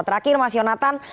terakhir mas yonatan